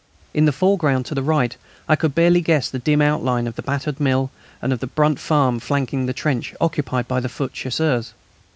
In the foreground to the right I could barely guess the dim outline of the battered mill and the burnt farm flanking the trench occupied by the foot Chasseurs.